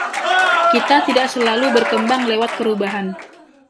Kita tidak selalu berkembang lewat perubahan.